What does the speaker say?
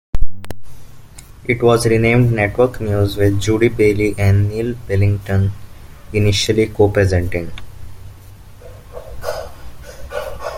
It was renamed "Network News" with Judy Bailey and Neil Billington initially co-presenting.